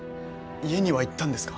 家には行ったんですか？